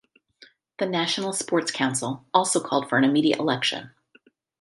The National Sports Council also called for an immediate election.